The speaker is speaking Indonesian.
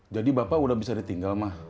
jadi bapak udah bisa ditinggal mah